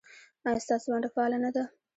ایا ستاسو ونډه فعاله نه ده؟